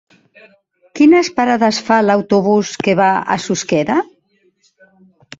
Quines parades fa l'autobús que va a Susqueda?